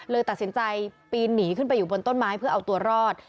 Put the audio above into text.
ตัดสินใจปีนหนีขึ้นไปอยู่บนต้นไม้เพื่อเอาตัวรอด